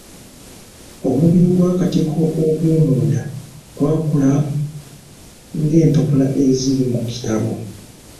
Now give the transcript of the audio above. Omubiri gw'akatiko ogw'omunda gwakula ng'empapula eziri mu kitabo.